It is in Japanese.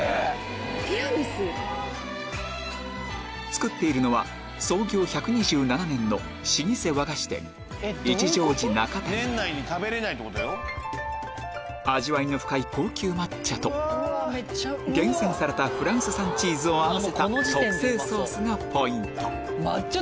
作っているのは創業１２７年の老舗味わいの深い高級抹茶と厳選されたフランス産チーズを合わせた特製ソースがポイント